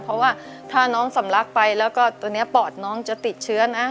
เพราะว่าถ้าน้องสำลักไปแล้วก็ตอนนี้ปอดน้องจะติดเชื้อนะ